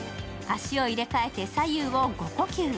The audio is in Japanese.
足を入れ替えて左右を５呼吸。